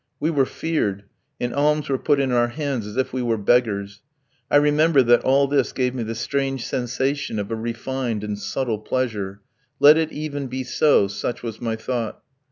We were feared, and alms were put in our hands as if we were beggars; I remember that all this gave me the strange sensation of a refined and subtle pleasure. "Let it even be so!" such was my thought.